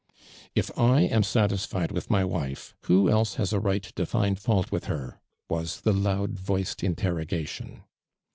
'"'" If I am satisfied with my wife, who else has a right to find fault with her'/"' was the loud voiced interrogation.